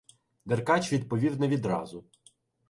Деркач відповів не відразу.